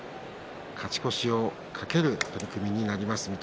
勝ち越しを懸ける取組になります。